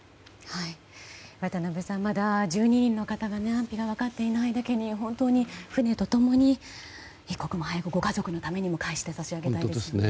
渡辺さんまだ１２人の方の安否が分かっていないだけに本当に船と共に一刻も早くご家族のためにも返して差し上げたいですね。